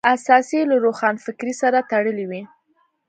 اساس یې له روښانفکرۍ سره تړلی وي.